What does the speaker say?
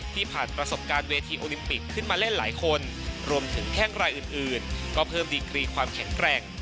ผ่านประสบการณ์เวทีโอลิมปิกขึ้นมาเล่นหลายคนรวมถึงแข้งรายอื่นก็เพิ่มดีกรีความแข็งแกร่ง